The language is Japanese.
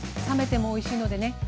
冷めてもおいしいのでね